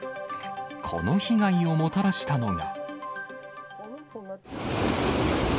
この被害をもたらしたのが。